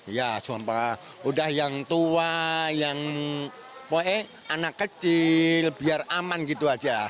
ya sumpah udah yang tua yang anak kecil biar aman gitu aja